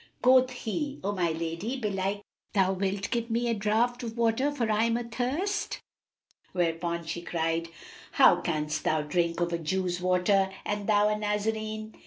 Quoth he, "O my lady, belike thou wilt give me a draught of water, for I am athirst." Whereupon she cried, "How canst thou drink of a Jew's water, and thou a Nazarene?"